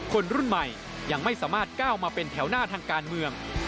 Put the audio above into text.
คนรุ่นใหม่ยังไม่สามารถก้าวมาเป็นแถวหน้าทางการเมือง